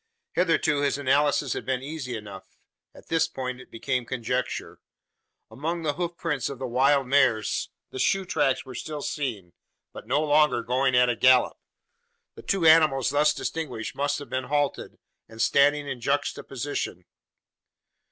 Hitherto his analysis had been easy enough. At this point it became conjecture. Among the hoof prints of the wild mares, the shoe tracks were still seen, but no longer going at a gallop. The two animals thus distinguished must have been halted, and standing in juxtaposition.